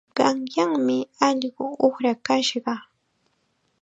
Qanyanmi allqu uqrakashqa.